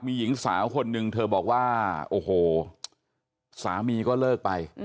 มีหญิงสาวคนนึงเธอบอกว่าโอ้โหสามีก็เลิกไป